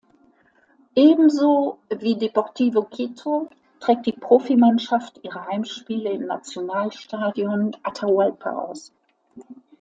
Ebenso wie Deportivo Quito trägt die Profimannschaft ihre Heimspiele im Nationalstadion Atahualpa aus.